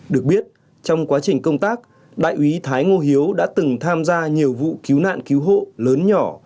được biết trong quá trình công tác đại úy thái ngô hiếu đã từng tham gia nhiều vụ cứu nạn cứu hộ lớn nhỏ